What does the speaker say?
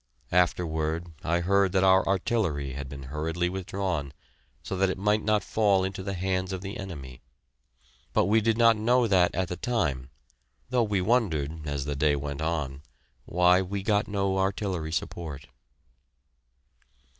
Afterwards I heard that our artillery had been hurriedly withdrawn so that it might not fall into the hands of the enemy; but we did not know that at the time, though we wondered, as the day went on, why we got no artillery support.